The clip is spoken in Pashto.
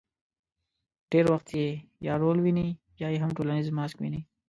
ډېر وخت یې یا رول ویني، یا یې هم ټولنیز ماسک ویني.